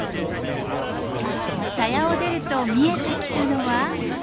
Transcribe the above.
茶屋を出ると見えてきたのは。